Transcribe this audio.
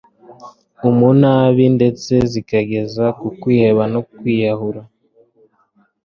umunabi ndetse zikageza ku kwiheba no kwiyahura